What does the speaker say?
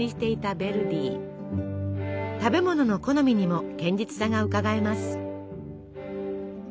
食べ物の好みにも堅実さがうかがえます。